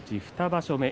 ２場所目。